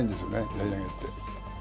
やり投げって。